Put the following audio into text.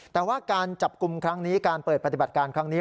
แต่ว่าการจับกลุ่มครั้งนี้การเปิดปฏิบัติการครั้งนี้